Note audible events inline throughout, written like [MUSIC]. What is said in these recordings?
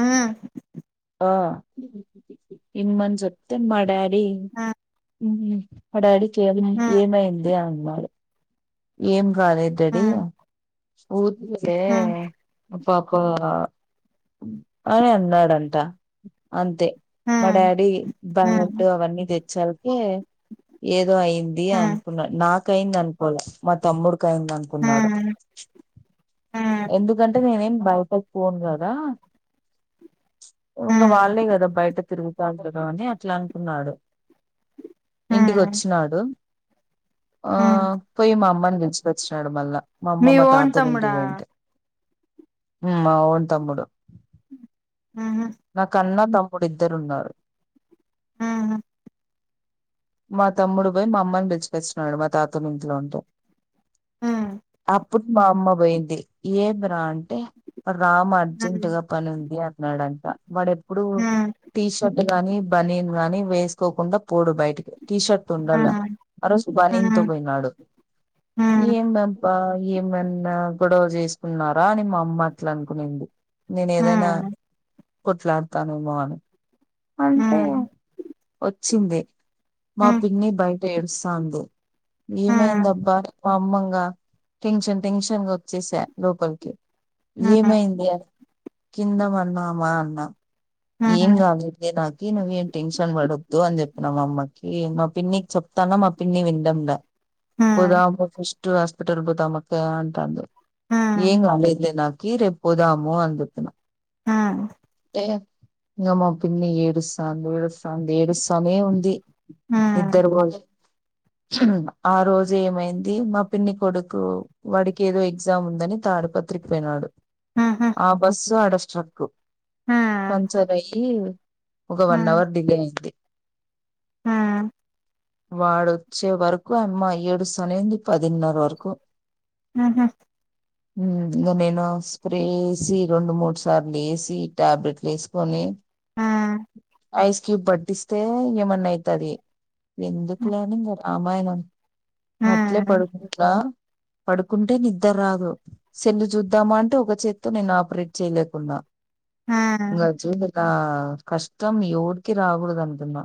హ్మ్మ్ ఆ ఇన్మన్ చెప్తే మా డాడి మా డాడీ కేమి ఏమయిందే అన్నాడు. ఏం కాలేదు డాడీ ఊరి కే ఆ పాకో అనన్నాడంట అంతే. మా డాడీ బ్యాల్ట్ అవన్నీ తెచ్చాలకే ఏ ఏదో అయింది అనుకున్నా నాకయింది అనుకోల. మా తమ్ముడి కయిందనుకున్నాడు. ఎందుకంటే నేనేం బయటకు పోను గదా. ఇంక వాళ్ళే గదా బయట తిరుగుతాంటగా అని అట్లనుకున్నాడు. ఇంటికొచ్చినాడు ఆ పోయి మమ్మని పిలిచిపొచ్చినాడు మళ్ళా, మమ్మ మీ మా ఓన్ తమ్ముడా తాతోల్లింటింకి పోయుంటే. మా ఓన్ తమ్ముడు. ఆహా నాక్కూడ ఇద్దరున్నారు ఉహు మా తమ్ముడు బూయి మమ్మని బిలిచకొచ్చిన్నాడు. మా తాతోని ఇంట్లో ఉం ఉ అప్పుడు మమ్మ బోయింది ఏందిరా అంటే? రామా ఉ ఉ అర్జెంట్ గా పనుంది అన్నాడంట. వాడెప్పుడుూ ఉ ఉ ఉ ఉ ఉ ఉ ఉ ఉ ఉ ఉ ఉ ఉ ఉ టీ షర్ట్ గానీ, బనీన్ గానీ వేసుకోకుండా పోడు బయటికి. టీ షర్ట్ ఉహు ఉండాల, ఆ రోజు బనింతో బోయినాడు. అ ఏబంపా ఏమన్నా గొడవ చేసుకున్నారా అని మమ్మ అట్లనుకునింది. నేనేదైనా ఉ కొట్లాడతానేమో అని. వచ్చింది మా పిన్ని బయట ఏడుస్తాంది. ఏమైందబ్బా మా అమ్మంగా టెన్షన్ టెన్షన్ గా వచ్చేసా లోపలికి. ఏమైంది కిందబన్నామా అన్నా. ఏం కాదు దే నాకి నువేం టెన్షన్ పడొద్దు అని చెప్పినా మమ్మకి, మా పిన్నికి చెప్ తన మా పిన్ని విండంగా. పోదామ్మ్ ఫస్ట్ హాస్పిటల్ బోదామిక అంటాంది. ఏం కాలేదులే నాకీ రేపోదాము అని చెప్పినా. ఇంక మా పిన్నీ ఏడుసాన్ది ఏడుసాన్ది ఏడుస్సానే ఉంది. నిద్దర బోల్ ఆ రోజేమైంది మా పిన్ని కొడుకు వాడికేదో ఎగ్జామ్ ఉందని, త తాడపత్రికి పోయినాడు ఆ బస్సు ఆడ స్ట్రక్. పంచరయ్యి ఒక వన్ అవర్ డిలే అయ్యింది. ఆ వాడొచ్చే వరకు అమ్మా ఏడుస్సానే ఉంది. పదిన్నర వరకు ఆహా హ్మ్మ్ ఇంగ నేను స్ప్రే ఏసి రెండు, మూడు సార్లీసి, ట్యాబ్లేెట్ ఏసుకొని ఐస్ క్యూబ్ పట్టిస్తే ఏమన్నయితది. ఎందుకులే అని ఇక రామాయణం అట్లే పడుతున్న పడుకుంటే నిద్దార్రాదూ, సెల్లు చూద్దామా అంటే ఒక చేతితో నేను ఆపరేట్ చేయలేకున్నా. ఇంగ చూడు ఆ కష్టం ఎవరికీ రాగుడదనుకున్నా.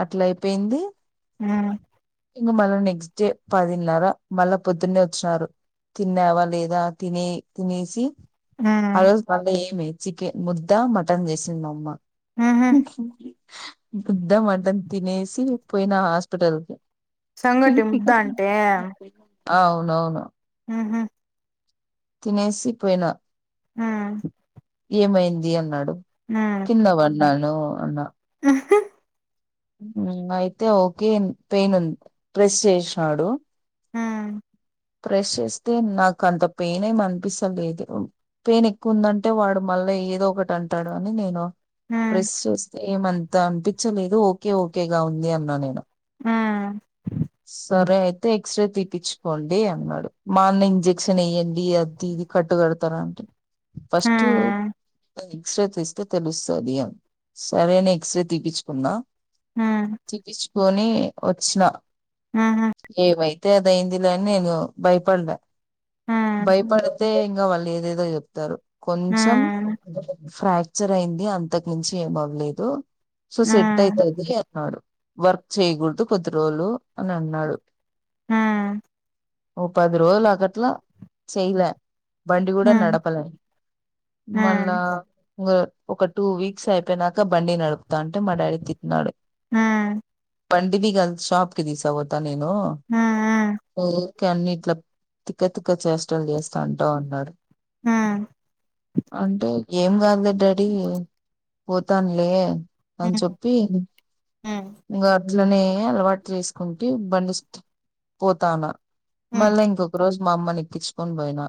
అట్లయిపోయింది, ఉ ఇంక మళ్ళా నెక్స్ట్ నెక్స్ట్ డే పదిన్నర మళ్ళా పొద్దున్నే వచ్చినారు. తిన్నావా లేదా? తినే తినేసి ఉ ఉ ఆ రోజు మళ్ళా ఏమి చికెన్ ముద్ద, మటన్ చేసింది మమ్మ. ఉహు బుద్ద మటన్ తినేసి పోయిన హాస్పిటల్ కు సంగటి ముద్ద అంటే అవునవును ఉహు తినేసి పోయినా హ్మ్ ఏమైంది అన్నాడు కింద పడిన్నాను అన్నా వ అయితే ఓకే పెయిన్ ఉంది ప్రెస్ చేసినాడు ప్రెష్ చేస్తే నాకు అంత పెయిన్ ఏ అనిపిస్తలేదు పెయిన్ ఎక్కువందంటే వాడు మళ్ళా అలా ఏదో ఒకటి అంటాడు అని నేను ఉ ఉ ఉ ఉహు ఉ ఉ ఉ ఉ ఉ ఉ ఉ ఉ ఉ ఉ ఉ ప్రెస్ చూస్తే ఏమంత అనిపించలేదు ఓకే ఓకేగా ఉంది అన్నా నేను సరే అయితే ఎక్స రే తీపుచు కోండి అన్నాడు మా అన్న ఇంజెక్షన్ వయ్యడి అది ఇది కట్టు కడతార అంట ఫస్ట్ ఎక్స్రే తీస్తే తెలుస్తుంది అ సరే అని ఎక్స్రే తీయిపించుకున్నా తిపించుకొని వచ్చిన ఏమైతే అదయింది లేని నేను భయపడ్డా భయపడితే ఇంకా వాళ్ళు ఏదేదో చెప్తారు కొంచెం ఫ్రాక్చర్ అయింది అంతకు మించి ఏమవ్వలేదు సో సెట్ అయితుది అన్నాడు వర్క్ చేయకూడదు కొద్ది రోజులు అని అన్నాడు హ్మ్ ఓ పది రోజలులాకట్లా చేయాలే బండి కూడా నడపలే మళ్ళా ఇ ఒక టూ వీక్స్ అయిపోయినాక బండి నడుపుతా అంటే మా డాడీ తిటినాడు హ్మ్ పండవి గల్ షాప్ కి దీసాక పోత నేను ఓకే అన్ని ఇట్లా తిక్క తక్క చేష్టలు చేస్తా అంటా ఉన్నాడు అంటే ఏం కదు లే డాడీ పోతానులే అని చెప్పి ఉ ఉ ఉ ఇంకా అలనే అలవాటు చేసుకుంటూ బండి పోతాను ఉ మళ్ళా ఇంకొక రోజు మా అమ్మని ఎక్కించుకొని పోయినా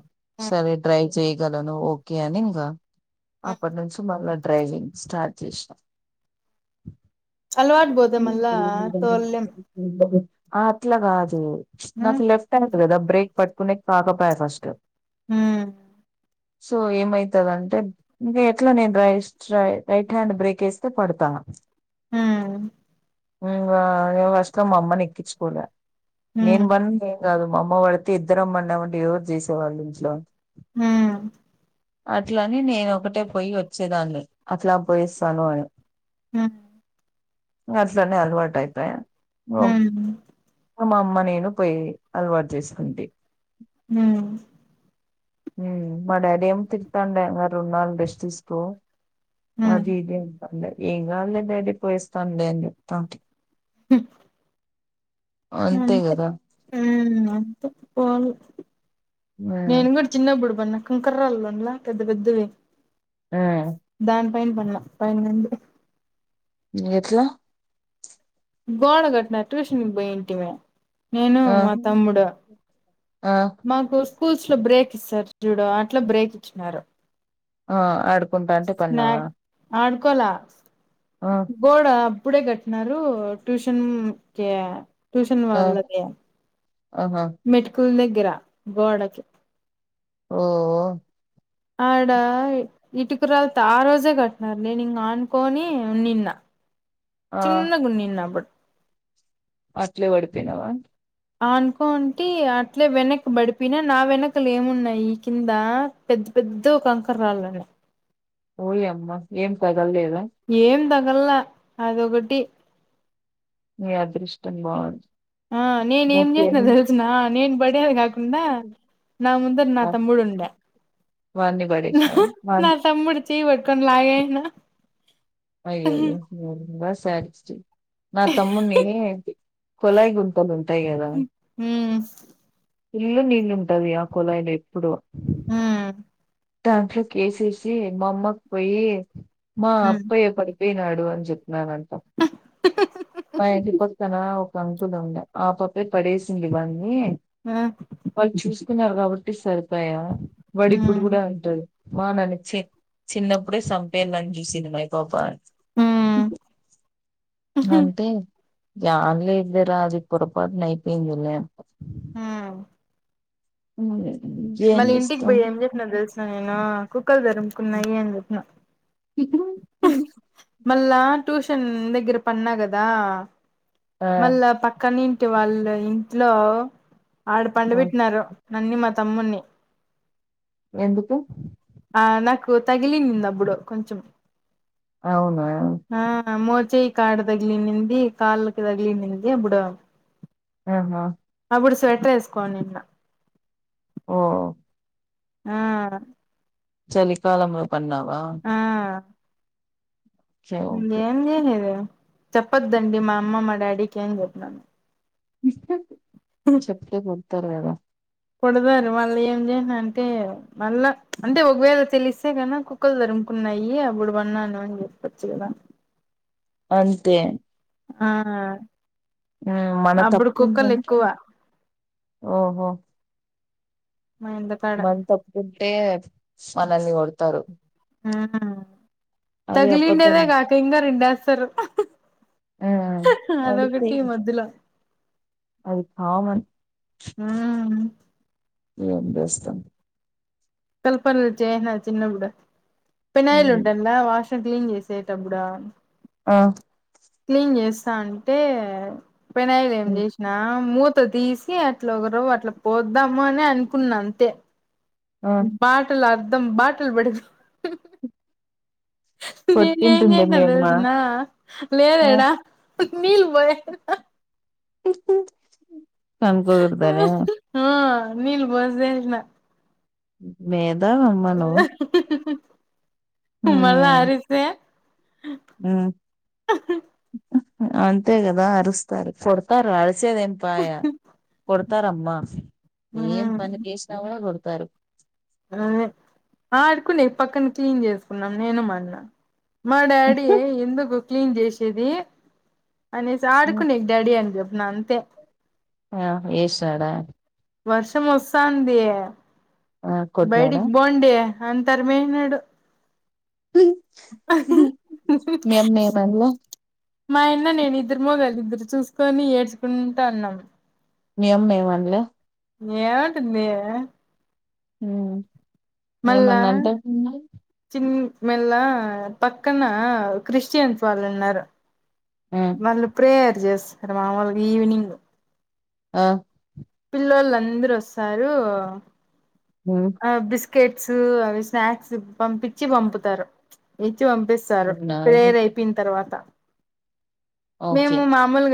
సరే డ్రైవ్ చేయగలను ఓకే అని ఇంకా అప్పటి నుంచి మళ్ళా డ్రైవింగ్ స్టార్ట్ చేసినాం అలవాటు పోతే మళ్ళా తోల్లేం అట్లా కాదు ఉ నాకు లెఫ్ట్ హ్యాండ్ కదా బ్రేక్ పట్టుకునే కాకపోయ ఫస్ట్ హ్మ్ సో ఏమైతదంటే ఇంకా ఎట్లా నేను రై రైట్ హ్యాండ్ బ్రేక్ వేస్తే పడతా ఆ హ్మ్ ఇ ఫస్ట్ లో మా అమ్మని ఎక్కించుకలే ఉ నేను బని ఏం కాదు మా అమ్మ పడితే ఇద్దరు అమ్మం అమండి ఎవరు చేసేవాళ్ళు ఇంట్లో హ్మ్ అట్లని నేను ఒకటే పోయి వచ్చేదాన్ని అట్లా పోయిస్తాను అని ఆ అట్నే అల్వర్ట్ అయిపోయి హ్మ్ మా మా అమ్మ నేను పోయి అలవాటు చేసుకుంటే హ్మ్ మా డాడీ ఏమ తిరుతాం రెండు నాలుగు రెస్ట్ తీసుకో ఉ అది ఇది అంటం ఏం కాదులే డాడీ పోయి వాస్తా లే అని చెప్తా హ అంతే హ్మ్ అంతే పోవాలి మ్మ్ నేను కూడా చిన్నపుడు పడిన్న కంకర్రాలుంలా పెద్ద పెద్దవి ఆ దాని పైన పలే పైన్ వుంది ఎట్లా గోడ కట్టిన ట్యూషన్ పోయి ఉంటూమి నేను ఆ మా తమ్ముడు ఆ మాకు స్కూల్స్ లో బ్రేక్ ఇస్తారు చూడ అట్లా బ్రేక్ ఇచ్చినారు ఆ ఆడుకుంటాంటే పన్నావా కోలే ఆ గోడ ఆ ఇప్పుడే కట్టినారు ట్యూషన్ కి ట్యూషన్ ఆ వాళ్ళదే ఆహా మెట్కుల్ దగ్గర గోడకి ఓహో ఆడ ఇటుకరలుతో ఆ రోజే కట్టిన నేను ఇంగ ఆనుకొని ఉండిన్లే ఆ చిన్న గున్ని నా అప్పుడు అట్లే పడిపోయినవా అనుకోనుంటి అట్లే వెనక్ పడిపోయినా నా వెనకలు ఏమున్నాయి ఈ కింద పెద్ద పెద్ద గా కంకర రాళ్లు ఉన్నాయ్ ఓయ్ అమ్మ ఏం తగలేదా నల్ల అదొకటి ని అదృష్టం బాగుంది ఆ నేను ఏం చేసిన నాకేమి తెలిసిన నేను పడేది కాక ఉండ నా ముందట నా ఆ తమ్ముడు ఉండే వాన్ని పడేసినావా వాన్ నా తమ్ముడు చెయ్ పట్టుకొని లగేసిన అయ్యయ్యో రొంబ శాడిస్ట్ నా తమ్ముని కొళాయి గుంటలు ఉంటాయి కదా హ్మ్ ఫుల్ నీళ్ళు ఉంటది ఆ కుళయి లా ఎప్పుడు ఉహు దాంట్లోకి ఎసేసి మా అమ్మకు పోయి మా హ్మ్ అప్పయ్య పడిపోయినాడు అని చెప్ నేను అంట మా ఇంటి పక్కన పక్కన ఒక అంకుల్ ఉండే ఆ పాపే పడేసింది వాన్ని ఆ వాళ్ళు చూసి కున్నారు కాబట్టి సరిపోయా వాడి ఇప్పుడు హ్మ్ కూడా అంటాడు వాన్ని చి చిన్నప్పుడే సంపేయాలని చూసింది ఈ పాప అని ఉహు అంటే జన్లే ఏంది రా అది పొరపాటున అయిపోయిందిలే అ ఉహు అ మళ్ళీ ఇంటికి పోయి ఏం చెప్పిన తెలుసిన నేను కుక్కలు తారుముకున్నాయి అని చెప్పిన మళ్ళా ట్యూషన్ దగ్గర పడిన కదా ఆ మళ్ళా పక్కనంటి వాళ్ళు ఇంట్లో ఆడ పండా పెట్టినారు నాన్ని మా తమ్మున్ని ఎందుకు ఆ నాకు తగిలింది అబ్బాడు కొంచెం అవునా చేయి కాడ తగిలింది కాళ్ల తగిలింది బుడ ఆహా ఇప్పుడు స్వెటర్ వేసుకోని ఉన్న ఓహో ఆ చలికాలంలో పన్నవా ఆ ఓకే ఏం చెయ్యలేదే చెప్పొద్దు అండి మా అమ్మ మా డాడీకి ఏం చెప్పినాను చెప్పతే కొడుతారు కదా కొడతారు వాళ్ళు ఏం చేయను అంటే మళ్ళా అంటే ఒకవేళ తెలిస్తే గాను కుక్కలు తరుము కున్నాయి అప్పుడు పన్నాను అని చెప్పొచ్చు కదా అంతే ఆ మ్మ్ మన అప్పుడు తప్పు కుక్కలు ఉందంటే ఎక్కువ ఓహో మా ఇంటికాడ మన తప్పు ఉంటే మనల్ని కొడతారు ఆ అది అబద్ధం తగిలిండేదే కాక ఇంగ రెండేస్తారు ఆ అంతే అదోఒకటి మధ్యలో అది కామన్ ఉమ్ ఏం చేస్తాం క్కల్ పనులు చేసినా చిన్నప్పుడు పినయల్ ఉమ్. ఉంటది కదా వాష్ [UNINTELLIGIBLE] క్లీన్ చేసే టప్పుడు ఆ క్లీన్ చేస్తా అంటే పెనాయిలు ఏం ఉమ్. చేసినా ము త తీసి అట్ల ఒకరవ్వ అట్ల పోద్దాము అని అనుకున్నా అంతే ఆ బాటల్ అర్ధం బాటల్ పడిపో [UNINTELLIGIBLE] నేను ఏం కొట్టింటుంది మీ చేసినాను అమ్మ తెలుసునా లేదు ఆ యాడ నీళ్లు [UNINTELLIGIBLE] మ్మ్ హు కంపు కొడ్తలే ఆ నీళ్ళు పోసేసిన మే [INAUDIBLE] మళ్ళ అరిస్తే మ్మ్ అంతే కదా అరుస్తారు కొడతారు అస్ రిసేది ఏం పాయ కొడతారమ్మా ఏం మ్మ్ పని చేసిన కూడా కోడ్త్ తారు అ ఆ ఆడుకునేకి పక్కన క్లీన్ చేసుకున్నాం నేను మా అన్న మా డాడీ ఏ ఎందుకు క్లీన్ చేసేది అనేసి ఉమ్. ఆడుకునేకు డాడీ అని చెప్ ప్పిన అంతే ఆ వేసాడా వర్షం వస్తాంది ఆ బయటీ కొట్టినాడా కి పోండి అంతర్ మే నాడు మీ అమ్మ ఏమనలే [INAUDIBLE] మాయన్న నేను ఇద్దరమూ కలిపి చూసుకొని ఏడ్చుకుంటా ఉన్నాం మాయమ్మ ఎం ఆన్ల్య ఏమంటుంది ఇగ మ్మ్ మళ్ళా చిన్ మెల్ల పక్కన క్రిస్టియన్స్ వాళ్ళు ఉన్నారు ఆ వాళ్ళు ప్రేయర్ చేస్తారు మామూలుగా ఈవినింగ్ ఆ పిల్లోలందరూ వస్తారు ఆ బిస్ స్కెట్స్ అవి స్నాక్స్ పంపించి పంపుతారు చ్చి పంపిస్తారు అవునా ప్రేయర్ అయిపోయిన తర్వాత ఓకే మేము మామూలుగా